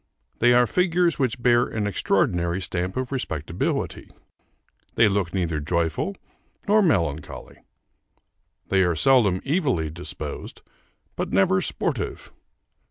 They are figures which bear an extraordinary stamp of respectability. They look neither joyful nor melancholy. They are seldom evilly disposed, but never sportive.